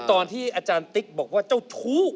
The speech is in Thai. ตอนที่อาจารย์ติ๊กบอกว่าเจ้าชู้